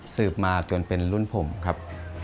สืบมาจนเป็นรุ่นผมครับ